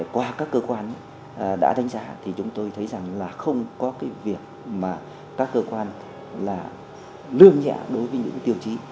qua các cơ quan đã đánh giá thì chúng tôi thấy rằng là không có cái việc mà các cơ quan là lương nhẹ đối với những tiêu chí